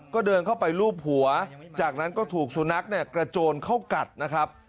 ก็เดินเข้าไปรูปหัวจากนั้นก็ถูกสุนัขเนี่ยกระโจนเข้ากัดนะครับ